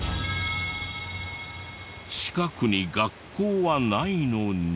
近くに学校はないのに。